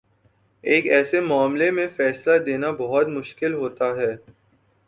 ایک ایسے معاملے میں فیصلہ دینا بہت مشکل ہوتا ہے۔